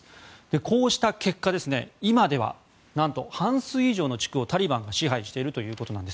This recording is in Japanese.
こうした結果今では半数以上の地区をタリバンが支配しているということです。